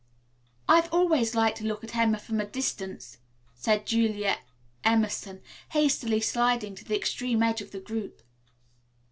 "I have always liked to look at Emma from a distance," said Julia Emerson, hastily sliding to the extreme edge of the group.